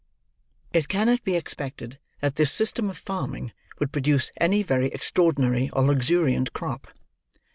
It cannot be expected that this system of farming would produce any very extraordinary or luxuriant crop.